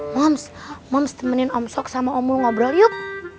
moms moms temenin om sok sama om mul ngobrol yuk